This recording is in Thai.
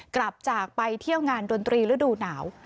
กลับจากไปเที่ยวงานดนตรีฤดูหนาว